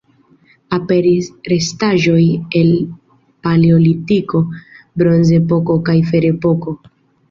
Aperis restaĵoj el Paleolitiko, Bronzepoko kaj Ferepoko.